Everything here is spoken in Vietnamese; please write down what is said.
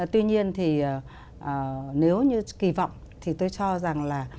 tuy nhiên thì nếu như kỳ vọng thì tôi cho rằng là